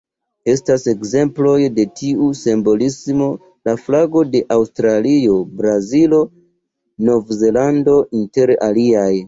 Estas ekzemploj de tiu simbolismo la flagoj de Aŭstralio, Brazilo, Novzelando, inter aliaj.